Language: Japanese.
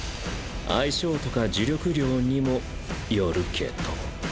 相性とか呪力量にもよるけど。